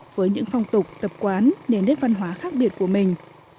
với những phong tục tập quán nền nét văn hóa khác biệt của mình